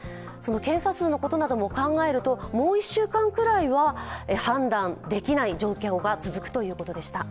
検査数のことなども考えると、もう１週間くらいは判断できない状況が続くということでした。